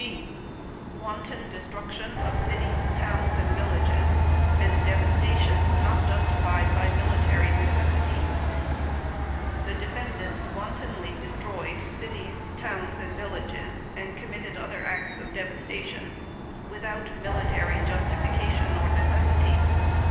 (G) WANTON DESTRUCTION OF CITIES, TOWNS, AND VILLAGES AND DEVASTATION NOT JUSTIFIED BY MILITARY NECESSITY The defendants wantonly destroyed cities, towns, and villages and committed other acts of devastation without military justification or necessity.